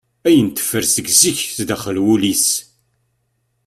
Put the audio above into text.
Ayen teffer seg zik s daxel n wul-is.